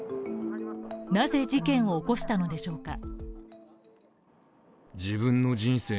なぜ、事件を起こしたのでしょうか。